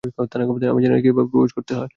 আমি জানি না কীভাবে প্রপোজ করতে হয়।